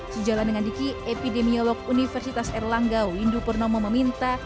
sejalan dengan diki epidemiolog universitas erlangga windu purnomo meminta